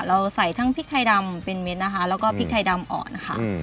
เราใส่ทั้งพริกไทยดำเป็นเม็ดนะคะแล้วก็พริกไทยดำอ่อนค่ะ